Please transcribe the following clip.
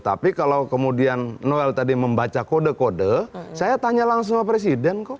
tapi kalau kemudian noel tadi membaca kode kode saya tanya langsung sama presiden kok